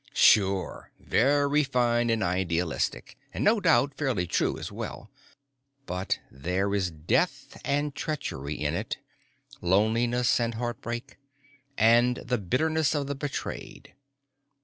Sure. Very fine and idealistic, and no doubt fairly true as well. But there is death and treachery in it, loneliness and heartbreak, and the bitterness of the betrayed.